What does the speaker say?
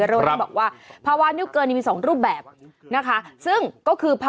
เออมันดิเออดูเอาดู